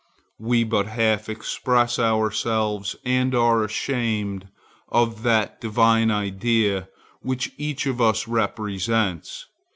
We but half express ourselves, and are ashamed of that divine idea which each of us represents.